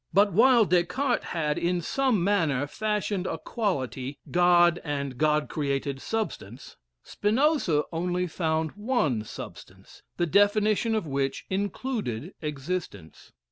But while Descartes had, in some manner, fashioned a quality God and God created substance Spinoza only found one, substance, the definition of which included existence.